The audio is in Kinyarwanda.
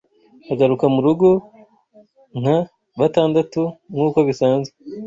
Agaruka murugo nka batandatu nkuko bisanzwe